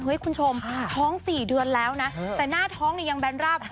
คุณผู้ชมท้อง๔เดือนแล้วนะแต่หน้าท้องเนี่ยยังแบนราบ